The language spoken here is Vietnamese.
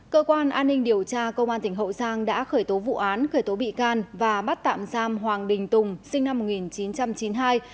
cơ quan an ninh điều tra công an tỉnh hậu giang đã khởi tố vụ án khởi tố bị can và bắt tạm giam hoàng đình tùng sinh năm một nghìn chín trăm chín mươi hai